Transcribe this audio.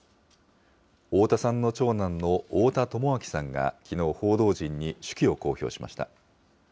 太田さんの長男の太田朋晃さんがきのう報道陣に手記を公表しました。